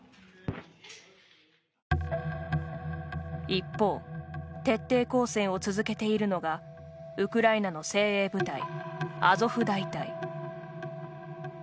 一方、徹底抗戦を続けているのがウクライナの精鋭部隊アゾフ大隊。